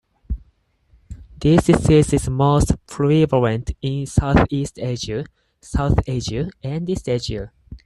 This disease is most prevalent in Southeast Asia, South Asia and East Asia.